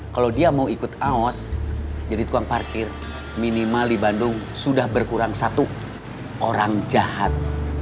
kalau dia mau ikut aos jadi tukang parkir minimal di bandung sudah berkurang satu orang jahat